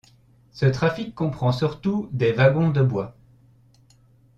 Ce trafic comprend surtout des wagons de bois.